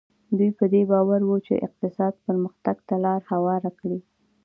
دوی په دې باور وو چې اقتصادي پرمختګ ته لار هواره کړي.